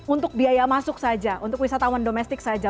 untuk biaya masuk saja untuk wisatawan domestik saja